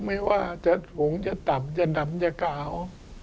ไม่ว่าจะถุงจะต่ำจะดำจะกาว